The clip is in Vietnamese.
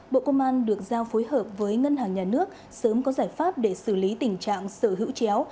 bộ công an được giao phối hợp với ngân hàng nhà nước sớm có giải pháp để xử lý tình trạng sở hữu chéo